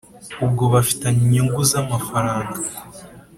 uwo bafitanyije inyungu z amafaranga